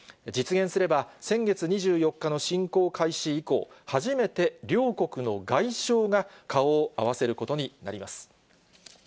実現すれば、先月２４日の侵攻開始以降、初めて両国の外相が顔を合わせることになります。